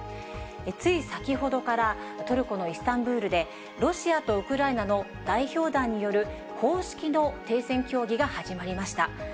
つい先ほどから、トルコのイスタンブールで、ロシアとウクライナの代表団による公式の停戦協議が始まりました。